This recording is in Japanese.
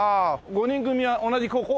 ５人組は同じ高校？